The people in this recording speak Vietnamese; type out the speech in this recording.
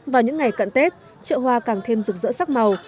vào những ngày cận tết chợ hoa càng thêm rực rỡ sắc màu